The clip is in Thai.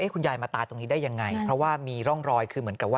คุณยายมาตายตรงนี้ได้ยังไงเพราะว่ามีร่องรอยคือเหมือนกับว่า